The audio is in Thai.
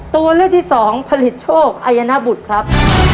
ตัวเลือกที่สองผลิตโชคอายนบุตรครับ